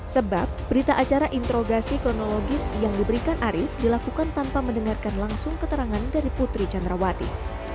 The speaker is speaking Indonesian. sebab berita acara interogasi kronologis yang diberikan arief dilakukan tanpa mendengarkan langsung keterangan dari putri candrawati